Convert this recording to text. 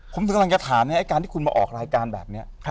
ผมถึงกำลังจะถามไอ้การที่คุณมาออกรายการแบบนี้